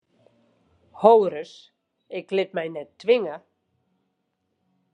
Ho ris, ik lit my net twinge!